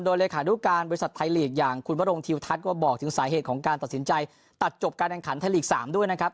โดยเลขานุการบริษัทไทยลีกอย่างคุณวรงทิวทัศน์ก็บอกถึงสาเหตุของการตัดสินใจตัดจบการแข่งขันไทยลีก๓ด้วยนะครับ